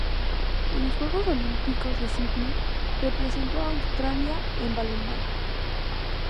En los Juegos Olímpicos de Sidney representó a Australia en balonmano.